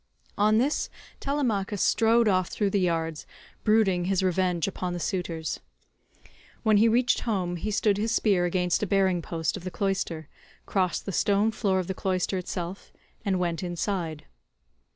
On this Telemachus strode off through the yards, brooding his revenge upon the suitors. When he reached home he stood his spear against a bearing post of the cloister, crossed the stone floor of the cloister itself, and went inside.